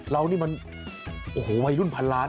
เรานี่มันโอ้โหวัยรุ่นพันล้าน